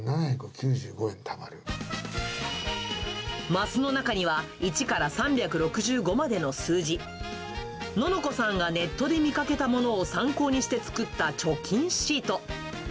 マスの中には、１から３６５までの数字。ののこさんがネットで見かけたものを参考にして作った貯金シート。